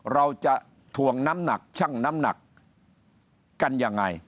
เราจะถวงน้ำหนักชั่งน้ำหนักกันยังไง